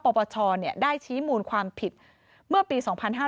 ปปชได้ชี้มูลความผิดเมื่อปี๒๕๕๙